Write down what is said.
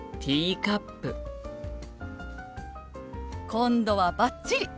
今度はバッチリ！